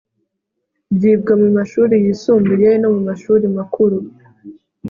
byibwa mu mashuri yisumbuye no mu mashuri makuru